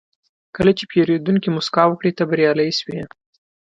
کله چې پیرودونکی موسکا وکړي، ته بریالی شوې.